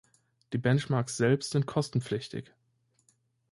Die Benchmarks selbst sind kostenpflichtig.